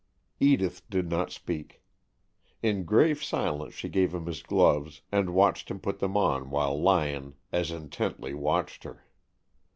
Edith did not speak. In grave silence she gave him his gloves, and watched him put them on while Lyon as intently watched her.